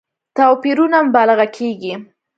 توپيرونو مبالغه کېږي.